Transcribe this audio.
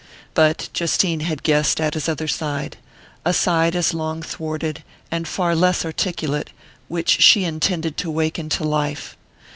But Justine had guessed at his other side; a side as long thwarted, and far less articulate, which she intended to wake into life.